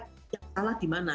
yang salah di mana